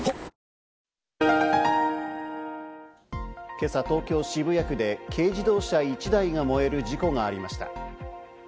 今朝、東京・渋谷区で軽自動車１台が燃える事故がありました。